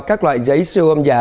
các loại giấy siêu âm giả